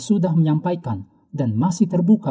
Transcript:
sudah menyampaikan dan masih terbuka